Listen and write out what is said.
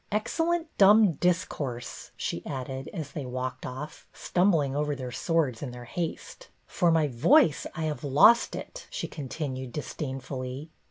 " Excellent dumb discourse," she added, as they walked off, stumbling over their swords in their haste. "For my voice, I have lost it," she continued disdainfully.